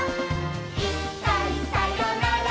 「いっかいさよなら